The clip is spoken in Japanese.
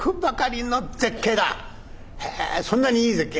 「へえそんなにいい絶景？」。